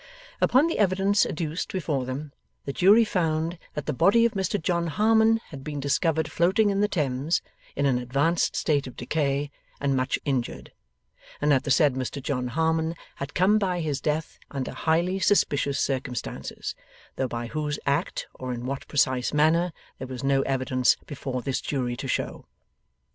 Upon the evidence adduced before them, the Jury found, That the body of Mr John Harmon had been discovered floating in the Thames, in an advanced state of decay, and much injured; and that the said Mr John Harmon had come by his death under highly suspicious circumstances, though by whose act or in what precise manner there was no evidence before this Jury to show.